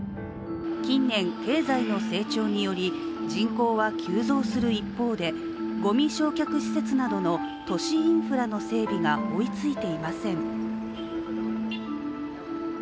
近年、経済の成長により人口は急増する一方でごみ焼却施設などの都市インフラの整備が追いついていません。